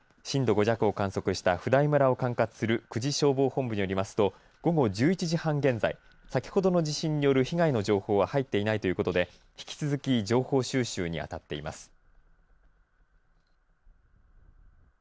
震度５弱を観測した普代村を管轄する久慈消防本部によりますと午後１１時半現在先ほどの地震による被害の情報は入っていないということで情報収集にあたっています。